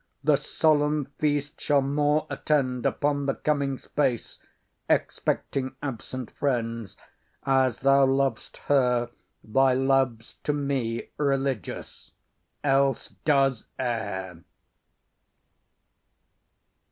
The solemn feast Shall more attend upon the coming space, Expecting absent friends. As thou lov'st her, Thy love's to me religious; else, does err.